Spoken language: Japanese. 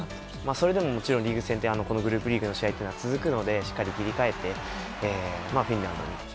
それでももちろんリーグ戦なのでこのグループリーグの試合は続くのでしっかり切り替えてフィンランドに。